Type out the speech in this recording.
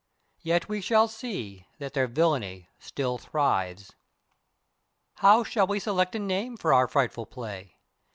Yet we shall see that their villany still thrives._ _How shall we select a name for our frightful play?